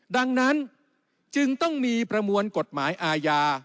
ดังนั้นจึงต้องมีประมวลกฎหมายอาญา